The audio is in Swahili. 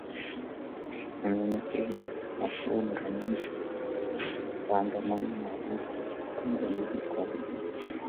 Ni mnyenyekevu na huwa mara nyingi haandamani na walinzi kama ilivyo kwa wengine